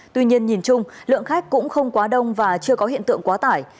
tuy nhiên nhìn chung lượng khách cũng không quá đông và chưa có hiện tượng quá tải